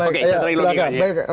oke saya tarik logik aja